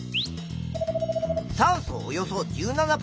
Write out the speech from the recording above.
酸素およそ１７％。